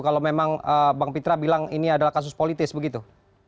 kalau memang bang pitra bilang ini adalah kasus politis begitu